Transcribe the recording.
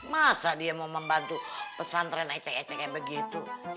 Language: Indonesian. masa dia mau membantu pesantren ecek eceknya begitu